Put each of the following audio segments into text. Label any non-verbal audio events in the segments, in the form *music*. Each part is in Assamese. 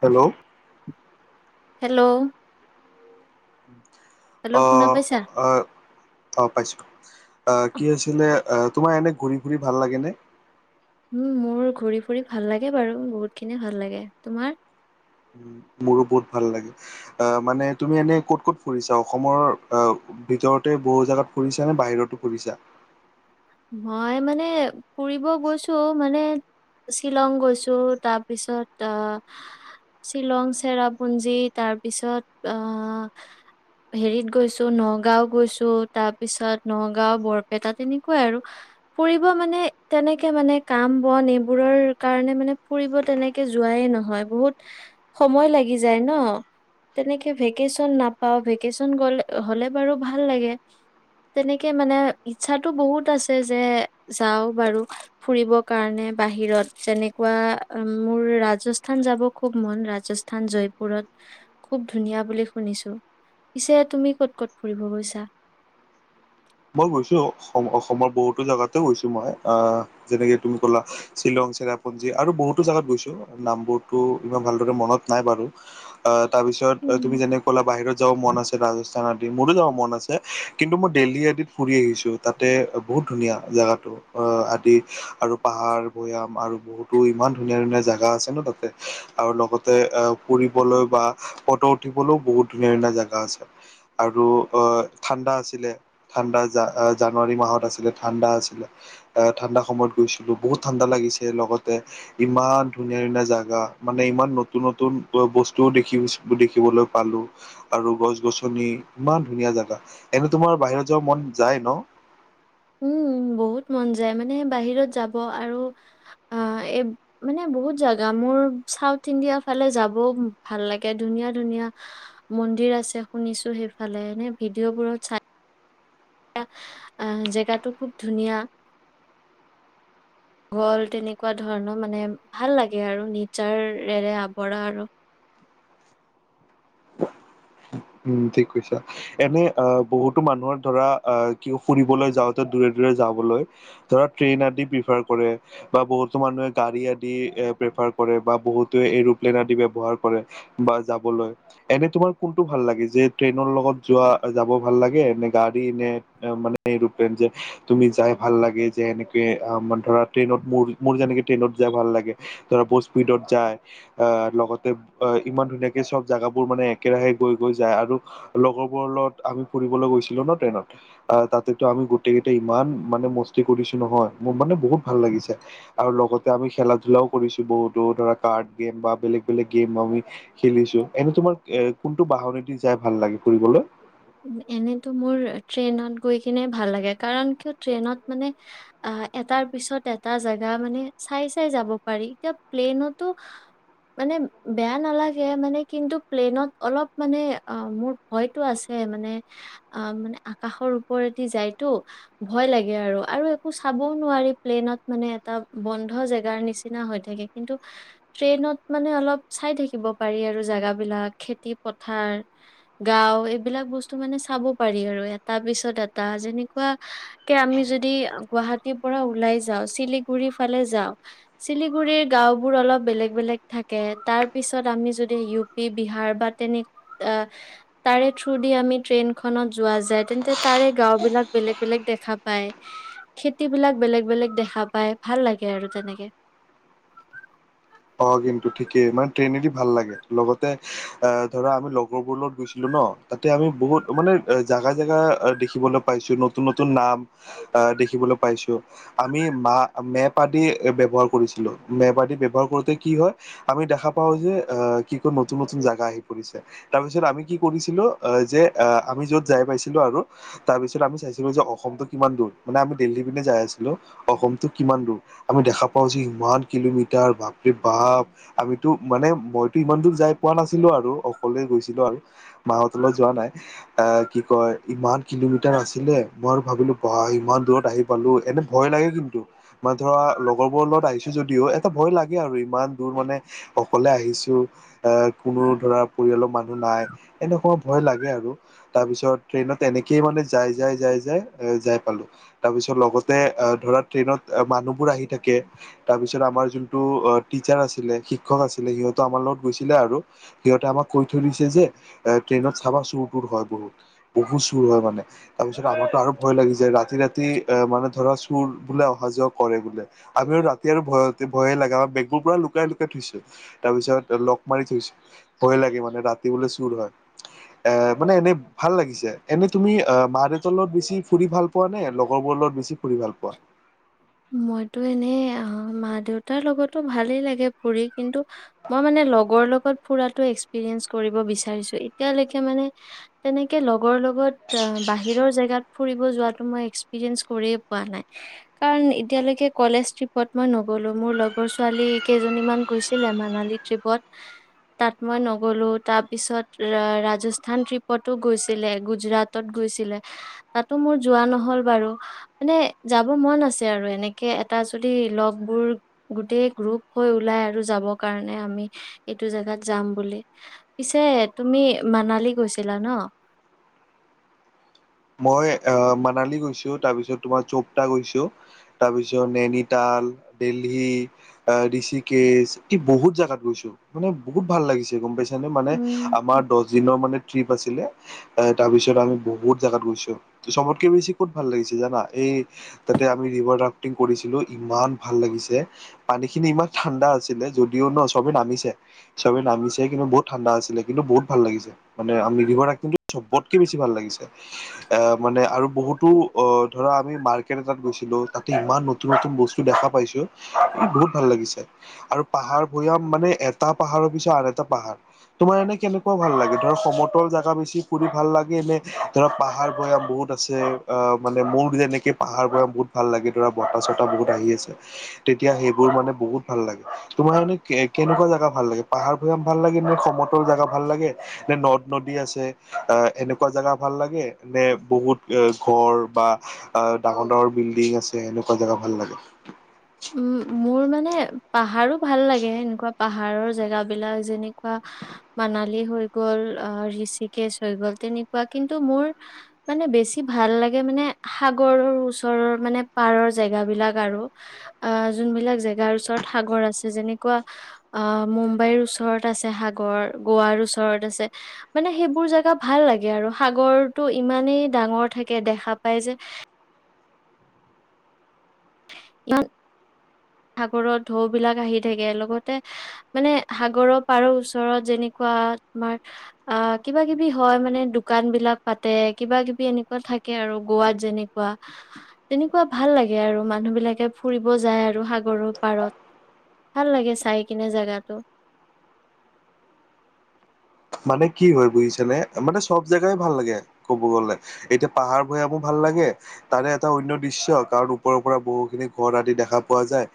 হেল্ল'। হেল্ল'। উম হেল্ল' *unintelligible* অ শুনা পাইছা? আহ অ পাইছো আহ অ, কি হৈছিলে। তোমাৰ এনে ঘূৰি ঘুৰি ভাল লাগেনে। উম মোৰ ঘূৰি ফুৰি ভাল লাগে বাৰু বহুত খিনি ভাল লাগে তোমাৰ। মোৰো বহুত ভাল লাগে। আহ মানে তুমি এনে ক'ত ক'ত ফুৰিছা। অসমৰ আহ ভিতৰতে বহু জাগাত ফুৰিছা। নে বাহিৰতো ফুৰিছা। মই মানে ফুৰিব গৈছো মানে শ্বিলং গৈছো তাৰপিছত আহ শ্বিলং চেৰাপুঞ্জী তাৰপিছত আহ হেৰিত গৈছো নগাঁও গৈছো। তাৰপিছত নগাঁও বৰপেটা তেনেক। ক আৰু ফুৰিব মানে তেনেকে মানে কাম বন এইবোৰৰ কাৰণে মানে ফুৰিব তেনেকে যোৱাই নহয় বহুত সময় লাগি যায়। ন তেনেকে ভেকেচন নাপাও ভেকেচন গলে হলে বাৰু ভাল লাগে তেনেকে মানে ইচ্ছাত। বহুত আছে যে যাও বাৰু ফুৰিব কাৰণে বাহিৰত যেনেকুৱা মোৰ ৰাজস্থান যাব খুব মন ৰাজস্থান জয়পুৰত খুব ধুনীয়া বুলি শুনিছো পিছে তুমি ক'ত ক'ত ফুৰিব গৈছা। মই গৈছো অসম অসমৰ বহুতো জেগাতে গৈছোঁ। মই যেনেকৈ তুমি ক'লা শ্বিলং চেৰাপুঞ্জী আৰু বহুতো জেগাত গৈছোঁ। নামবোৰতো ইমান ভালদৰে মনত নাই বাৰু। তাৰ পিছত উম তুমি যেনেক ক'লা বাহিৰত যাব মন আছে ৰাজ। অ দি মোৰো যাব মন আছে কিন্তু মোৰ দিল্লী আদিত ফুৰি আহিছো তাতে বহুত ধুনীয়া জেগাত টো অ‌ আদি আৰু পাহাৰ ভৈয়াম আৰু বহুতো ইমান ধুনীয়া ধুনীয়া জেগা আছে ন তাতে আৰু লগতে আ ফুৰিবলৈ বা ফটো উঠিবলৈও বহুত ধুনীয়া ধুনীয়া জেগা আছে আৰু অ ঠাণ্ডা আছিলে ঠাণ্ডা জা জানুৱাৰী মাহত আছিলে ঠাণ্ডা আছিলে এ ঠাণ্ডা সময়ত গৈছিলো বহুত ঠাণ্ডা লাগিছে লগতে ইমান ধুনীয়া ধুনীয়া জেগা মানে ইমান নতুন নতুন বস্তুও দেখিছ দেখিবলৈ পালো আৰু গছ গছনি ইমান ধুনীয়া জেগা এনে তোমাৰ বাহিৰত যাব মন যায় ন উম বহুত মন যায় মানে বাহিৰত যাব আৰু আ এই মানে বহুত জেগা মোৰ চাউথ ইণ্ডিয়া ফালে যাবও ভাল লাগে ধুনীয়া ধুনীয়া মন্দিৰ আছে শুনিছো সেইফালে এনে ভিডিঅ'বোৰত চাই এ আহ জেগাটো খুব ধুনীয়া গল তেনেকুৱা ধৰণৰ মানে ভাল লাগে আৰু নিজাৰেৰে আৱৰা আৰু উম ঠিক কৈছা এনে আ বহুতো মানুহৰ ধৰা আ কিও ফুৰিবলৈ যাওতে দূৰে দূৰে যাবলৈ ধৰা ট্ৰেইন আদি প্ৰিফাৰ কৰে বা বহুতো মানুহে গাড়ী আদি এ প্ৰিফাৰ কৰে বা বহুতে এৰপ্লেন আদি ব্যৱহাৰ কৰে বা যাবলৈ এনে তোমাৰ কোন টো ভাল লাগে যে ট্ৰেইনৰ লগত যোৱা যাব ভাল লাগে নে গাড়ী নে উম মানে এৰপ্লেন যে তুমি যাই ভাল লাগে যে এনেকে আ মান ধৰা ট্ৰেইনত মোৰ মোৰ যেনেকে ট্ৰেইনত যাই ভাল লাগে ধৰা বহুত স্পীডত যায় আহ লগতে আ ইমান ধুনীয়াকে চব জেগাবোৰ মানে একেৰাহে গৈ গৈ যায় আৰু লগৰবোৰ লগত আমি ফুৰিবলৈ গৈছিলো ন ট্ৰেইনত তাতেতো আমি গোটেই কেইটাই ইমান মানে মস্তি কৰিছো নহয় মোৰ মানে বহুত ভাল লাগিছে আৰু লগতে আমি খেলা ধোলাও কৰিছো বহুতো ধৰা কাৰ্ড গেম বা বেলেগ বেলেগ গেম আমি খেলিছো এনে তোমাৰ এ কোনটো বাহনেদি যাই ভাল লাগে ফুৰিবলৈ এনেতো মোৰ ট্ৰেইনত গৈ কিনে ভাল লাগে কাৰণ কিয় ট্ৰেইনত মানে আ এটাৰ পিছত এটা জেগা মানে চাই চাই যাব পাৰি এতিয়া প্লেনটো মানে বেয়া নালাগে মানে কিন্তু প্লেনত অলপ মানে আ মোৰ ভয়টো আছে মানে মানে আ মানে আকাশৰ ওপৰেদি যায়তো ভয় লাগে আৰু আৰু একো চাবও নোৱাৰি প্লেইনত মানে এটা বন্ধ জেগাৰ নিচিনা হৈ থাকে কিন্তু ট্ৰেইনত মানে অলপ চাই থাকিব পাৰি আৰু জেগা বিলাক খেতি পথাৰ গাঁও এই বিলাক বস্তু মানে চাব পাৰি আৰু এটা পিছত এটা যেনেকুৱা কে আমি যদি গুৱাহাটীৰ পৰা ওলাই যাওঁ চিলিগুৰি ফালে যাওঁ চিলিগুৰিৰ গাঁও বোৰ অলপ বেলেগ বেলেগ থাকে তাৰ পিছত আমি যদি ইউ পি বিহাৰ বা তেনে আ তাৰে থ্ৰু দি আমি ট্ৰৈইন খনত যোৱা যায় তেন্তে তাৰে গাঁও বিলাক বেলেগ বেলেগ দেখা পায় খেতি বিলাক বেলেগ বেলেগ দেখা পায় ভাল লাগে আৰু তেনেকে অ কিন্তু ঠিকেই মানে ট্ৰেইনেদি ভাল লাগে লগতে এ ধৰা আমি লগৰবোৰ লগত গৈছিলো ন তাতে আমি বহুত মানে জেগা জেগা দেখিবলৈ পাইছো নতুন নতুন নাম আহ দেখিবলৈ পাইছো আমি মা মেপ আদি ব্যৱহাৰ কৰিছিলো মেপ আদি ব্যৱহাৰ কৰি তে কি হয় আমি দেখা পাওঁ যে আহ কি কয় নতুন নতুন যাগা আহি পৰিছে তাৰ পিছত আমি কি কৰিছিলো আ যে আ আমি য'ত যায় পাইছিলো আৰু তাৰ পিছত আমি চাইছিলো যে অসমটো কিমান দূৰ মানে আমি দিল্লীৰ পিনে যায় আছিলো অসমটো কিমান দূৰ আমি দেখা পাওঁ যে ইমান কিলোমিটাৰ বাপ বাহ আমিতো মানে মইতো ইমান দূৰ যাই পোৱা নাছিলো আৰু অকলে গৈছিলো আৰু মা হতৰ লগত যোৱা নাই এ কি কয় ইমান কিলোমিটাৰ আছিলে মই আৰু ভাবিলো বাহ ইমান দূৰত আহি পালো এনে ভয় লাগে কিন্তু মানে ধৰা লগৰবোৰৰ লগত আহিছো যদিও এটা ভয় লাগে কি আৰু ইমান দূৰ মানে অকলে আহিছো অহ কোনো ধৰা পৰিয়ালৰ মানুহ নাই এনেকোৱা ভয় লাগে আৰু তাৰপিছত ট্ৰেইনত এনেকেই মানে যাই যাই যাই যাই যাই পালো তাৰপিছত লগতে ধৰা ট্ৰেইনত মানুহবোৰ আহি থাকে তাৰপিছত আমাৰ যোন টো টিচাৰ আছিলে শিক্ষক আছিলে সিহঁতো আমাৰ লগত গৈছিলে আৰু সিহঁতে আমাক কৈ থৈ দিছে যে এ ট্ৰেইনত চাবা চুৰ তুৰ হয় বহুত বহুত চুৰ হয় মানে তাৰ পিছত আমাৰটো আৰু ভয় লাগি যায় ৰা ৰাতি ৰাতি আ মানে ধৰা চু বোৰ বোলে অহা যোৱা কৰে বোলে আমিও ৰাতি আৰু ভয়তে ভয়ে লাগা বেগবোৰ পুৰা লুকাই লুকাই থৈছো তাৰ পিছত লক মাৰি থৈছো ভয়ে লাগে মানে ৰাতি বোলে চুৰ হয় এ মানে এনে ভাল লাগিছে এনে তুমি আহ মা দেউতাৰ লগত বেছি ফুৰি ভাল পোৱা নে লগৰবোৰ লগত বেছি ফুৰি ভাল পোৱা মইতো এনেই আ মা দেউতাৰ লগততো ভালেই লাগে ফুৰি কিন্তু মই মানে লগৰ লগত ফুৰাতো এক্সপিৰিয়েঞ্চ কৰিব বিচাৰিছো এতিয়ালৈকে মানে তেনেকে লগৰ লগত আ বাহিৰৰ জেগাত ফুৰিব যোৱাটো মই এক্সপিৰিয়েঞ্চ কৰিয়ে পোৱা নাই কাৰণ এতিয়ালৈকে কলেজ ট্ৰিপত মই নগলো মোৰ লগৰ ছোৱালী কেইজনীমান গৈছিলে মানালী ট্ৰিপত তাত মই নগলো তাৰপিছত ৰা ৰাজস্থান ট্ৰিপতো গৈছিলে গুজৰাটত গৈছিলে তাতো মোৰ যোৱা নহ'ল বাৰু মানে যাব মন আছিল যে আৰু এনেকে এটা যদি লগ বোৰ গোটেই গ্ৰুপ হৈ ওলাই আৰু যাব কাৰণে আমি এইটো জেগাত যাম বুলি পিছে তুমি মানালী গৈছিলা ন মই আ মানালী গৈছো তাৰ পিছত তোমাৰ চোপতা গৈছো তাৰপিছত নেনিতাল দিল্লী আ ঋষিকেশ বহুত জাগাত গৈছো মানে বহুত ভাল লাগিছে গম পাইছা যেনে মানে উম, আমাৰ দহ দিনৰ মানে ট্ৰিপ আছিলে তাৰপিছত আমি বহুত জেগাত গৈছো চবতকে বেছি ক'ত ভাল লাগিছে জানা এই তাতে আমি ৰিভাৰ ৰাফ্টিং কৰিছিলো ইমান ভাল লাগিছে পানীখিনি ইমান ঠাণ্ডা আছিলে য'ত দিও ন চবেই নামিছে চবেই নামিছে কিন্তু বহুত ঠাণ্ডা আছিলে কিন্তু বহুত ভাল লাগিছে মানে আমি ৰিভাৰ ৰাফ্টিংটো চবতকে বেছি ভাল লাগিছে এ মানে আৰু বহুতো অ ধৰা আমি মাৰ্কেট এটাত গৈছিলো তাতে ইমান নতুন নতুন বস্তু দেখা পাইছো বহুত ভাল লাগিছে আৰু পাহাৰ ভৈয়াম মানে এটা পাহাৰৰ পিছত আন এটা পাহাৰ তোমাৰ এনে কেনেকুৱা ভাল লাগে ধৰা সমতল জাগা বেছি ফুৰি ভাল লাগে নে ধৰা পাহাৰ ভৈয়াম বহুত আছে অ মানে মোৰ যেনেকে পাহাৰ ভৈয়াম বহুত ভাল লাগে ধৰা বতাহ চতাহ বহুত আহি আছে তেতিয়া সেইবোৰ মানে বহুত ভাল লাগে তোমাৰ কাৰণে কে কেনেকুৱা জাগা ভাল লাগে পাহাৰ ভৈয়াম ভাল লাগে নে সমতল জাগা ভাল লাগে নে নদ নদী আছে আহ এনেকুৱা জাগা ভাল লাগে নে বহুত এ ঘৰ বা আ ডাঙৰ ডাঙৰ বিল্ডিং আছে সেনেকুৱা জাগা ভাল লাগে উম মোৰ মানে পাহাৰো ভাল লাগে সেনেকুৱা পাহাৰৰ জেগা বিলাক যেনেকুৱা মানালী হৈ গল আহ ঋষিকেশ হৈ গ'ল তেনেকুৱা কিন্তু মোৰ মানে বেছি ভাল লাগে মানে সাগৰৰ ওচৰৰ মানে পাৰৰ জেগাবিলাক আৰু আহ যোনবিলাক জেগাৰ ওচৰত সাগৰ আছে যেনেকুৱা আহ মুম্বাইৰ ওচৰত আছে সাগৰ গোৱাৰ ওচৰত আছে মানে সেইবোৰ জেগা ভাল লাগে আৰু সাগৰটো ইমানেই ডাঙৰ থাকে দেখা পায় যে ই সাগৰত ঢৌ বিলাক আহি থাকে লগতে মানে সাগৰৰ পাৰৰ ওচৰত যেনেকোৱা তোমাৰ আহ কিবা কিবি হয় মানে দোকান বিলাক পাতে কিবা কিবি এনেকোৱা থাকে আৰু গোৱাত যেনেকুৱা তেনেকোৱা ভাল লাগে আৰু মান মানুহ বিলাকে ফুৰিব যায় আৰু সাগৰৰ পাৰত ভাল লাগে চাই কিনে জাগাটো মানে কি হয় বুজিছা নে মানে চব জেগাই ভাল লাগে কব গলে এতিয়া পাহাৰ ভৈয়ামো ভাল লাগে তাৰে এটা অন্য দৃশ্য কাৰণ ওপৰা ওপৰা বহুখিনি ঘৰ আদি দেখা পোৱা যায়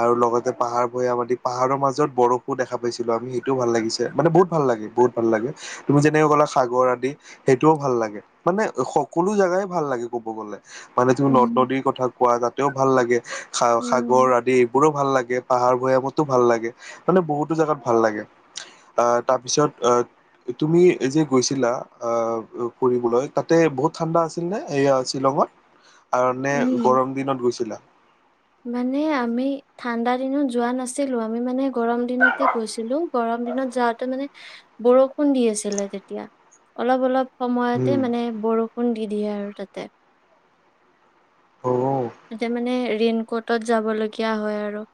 আৰু লগতে পাহাৰ ভৈয়াম আদি পাহাৰৰ মাজত বৰফো দেখা পাইছিলো আমি সেইটোও ভাল লাগিছে মানে বহুত ভাল লাগিল বহুত ভাল লাগে তুমি যেনেকে গ'লা সাগৰ আদি সেইটোও ভাল লাগে মানে সকলো জেগাই ভাল লাগে ক'ব গলে মানে তুমি নদ উম। নদীৰ কথা কোৱা যাত তেওঁক ভাল লাগে সা সাগৰ উম, আদি এইবোৰো ভাল লাগে পাহাৰ ভৈয়ামতো ভাল লাগে মানে বহুতো জেগাত ভাল লাগে আহ তাৰ পিছত তুমি যে গৈছিলা ফলৈ তাতে বহুত ঠাণ্ডা আছিল নে সয়া শ্বিলঙত। কাৰণে উম। গৰম দিনত গৈছিলা। মানে আমি ঠাণ্ডা দিনত যোৱা নাছিলো। আমি মানে গৰম দিনতে গৈছিলো। গৰম দিনত যাতে মানে বৰষুণ দি আছিলে। তেতিয়া অলপ অলপ। সময়তে উম। মানে বৰষুণ। দিয়ে আৰু তাতে। অ যে মানে। ৰেন কোটত যাব লগগীয়া হয় আৰু।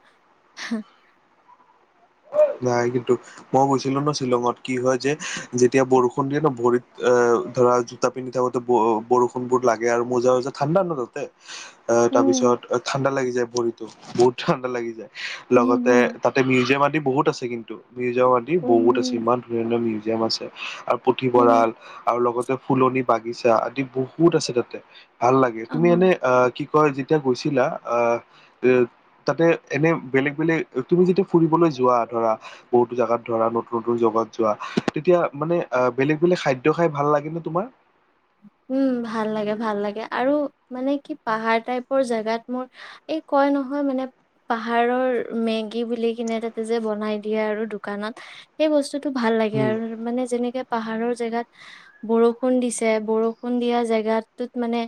নাই কিন্তু মই গৈছিলো। ন শ্বিলঙত কি হয় যেতিয়া বৰষুণ দিয়ে ন ভৰিত আহ ধৰা জোতা পিন্ধি থাকোতে বৰষুন বোৰ লাগে আৰু মজা মজা ঠাণ্ডা ন তাতে। অ তাৰ উম, পিছত ঠাণ্ডা লাগিছে। ভৰিতো বহুত ঠাণ্ডা লাগি যায়। উম, লগতে উম, তাতে মিউজিয়াম। বহুত। আছে কিন্তু। মিৰ্জাাবি বহুত উম, সিমান ধুনীয়া। মিউজিৰাম উম, পুথিভঁৰাল আৰু লগত। তা ফুলনি বাগিচা আদি বহুত আছে তাতে। ভাল লাগে তুমি এনে অ কি। ক যেতিয়া গৈছিলা অ এ তাতে এনে বেলেগ বেলেগ তুমি যেতিয়া ফুৰিবলৈ যোৱা। ধ বহুতো জোগাত ধৰা নতুন নতুন জগাত যোৱা তেতিয়া মানে বেলেগ বেলেগ খাদ্য খাই ভাল লাগে ন তোমাৰ। উম ভাল লাগে ভাল লাগে আৰু মানে কি পাহাৰ টাইপৰ জোগাত মোৰ এই কয় নহয় মানে পাহাৰৰ মেগী বুলি কিনে তাতে যে বনাই দিয়ে আৰু দোকানত সেই বস্তু। টো ভাল লাগে উম আৰু মানে যেনেকে। পাহাৰৰ জেগাত বৰষুণ দিছে। তে বৰষুণ দিয়া জেগাটোত মানে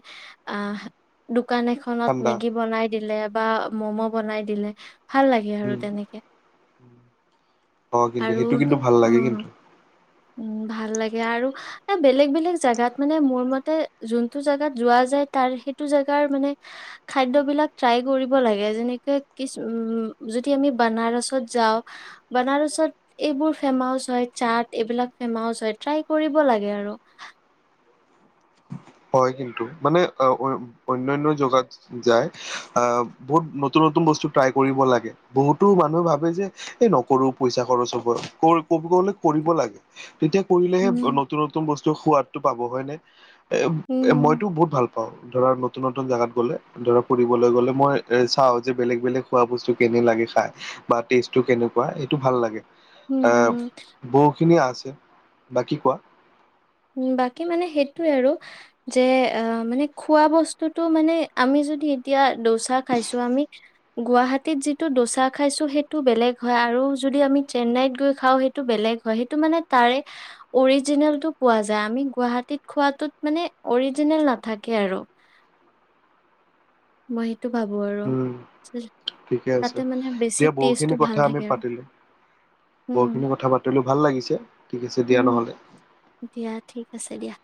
আঁহ দুক। দোকান এখনত ঠাণ্ডা মেগী বনাই দিলে। বা ম'ম' বনাই দিলে। ভাল লাগে আৰু উম তেনেকে অ কিন্তু সেইটো কিন্তু ভাল লাগে কিন্তু। উ ভাল লাগে আৰু, এ বেলেগ বেলেগ জেগাত মানে মোৰ মতে যোনটো জেগাত যোৱা যায় তাৰ সেইটো জোগাৰ মানে, খাদ্য বিলাক ট্ৰাই কৰিব লাগে। যেনেকে কি উ যদি আমি বানাৰসত যাওঁ বনাৰসত এইবোৰ ফেমাচ হয় চাট। এইবিলাক ফেমাউচ হয় ট্ৰাই কৰিব লাগে আৰু। হয় কিন্তু মানে অ অনায়ন জেগাত যায়। আহ বহুত নতুন নতুন বস্তু ট্ৰাই কৰিব লাগে। বহুতো মানুহে ভাবে যে এই নকৰো পইচা খৰচ হব, কব লে কৰিব লাগে। তেতিয়া কৰিলেহে উম নতুন নতুন বস্তু ত' সোৱাদটো পাব হয় নে? উম এ মইতো বহুত ভাল। পাওঁ, ধৰা নতুন নতুন জেগাত গ'লে ধৰা ফুৰিবলৈ গলে, মই এ চাও যে, বেলেগ বেলেগ খোৱা বস্তু কেনে লাগে খাই বা টেষ্টটো কেনেকুৱা সেইটো ভাল লাগে। উম উম। খিনি আছে বাকী কোৱা। বাকী মানে সেইটোৱে আৰু, যে মানে খোৱা বস্তুটো মানে, আমি যদি এতিয়া দচা খাইছো, আমি গুৱাহাটীত যিটো দচা খাইছো সেইটো বেলেগ হয়, আৰু যদি আমি চেন্নাইত গৈ খাওঁ সেইটো বেলেগ হয়, সেইটো মানে তাৰে অৰিজিনেলটো পোৱা যায়, আমি গুৱাহাটীত খোৱাটোত মানে অৰিজিনেল নাথাকে আৰু। মহিত উম, ঠিকে আছে, তাতে মানে বেছি এতিয়া টেষ্টটো বহুখিনি ভাল কথা আমি থাকে আৰু পাতিলো, উম বহুখিনি কথা পাতিলো। ভাল লাগিছে, ঠিক আছে দিয়া উম নহ'লে। দিয়া ঠিক আছে দিয়া।